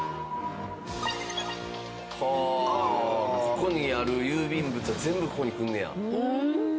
ここにある郵便物は全部ここに来んねや。